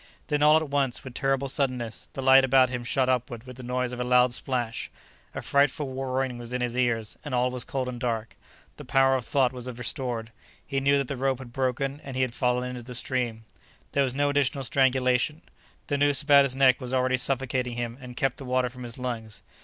Then all at once, with terrible suddenness, the light about him shot upward with the noise of a loud splash; a frightful roaring was in his ears, and all was cold and dark. The power of thought was restored; he knew that the rope had broken and he had fallen into the stream. There was no additional strangulation; the noose about his neck was already suffocating him and kept the water from his lungs.